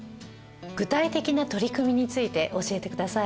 具体的な取り組みについて教えてください。